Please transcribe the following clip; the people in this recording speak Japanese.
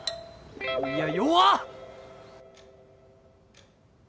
いや弱っ！